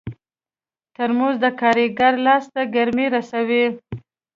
ترموز د کارګر لاس ته ګرمي رسوي.